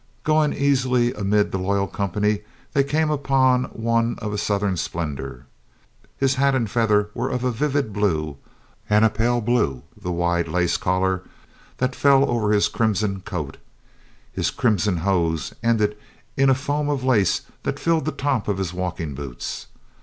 Going easily amid the loyal company, they came upon one of a southern splendor. His hat and feather were of a vivid blue, and pale blue the wide lace collar that fell over his crimson coat; his crim son hose ended in a foam of lace that filled the tops of his walking boots.